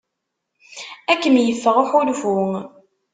Ad kem-yeffeɣ uḥulfu.